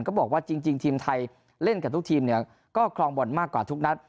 ก็บอกว่าจริงทีมไทยเล่นกับทุกทีมเนี่ยก็คลองบอลมากกว่าทุกนัด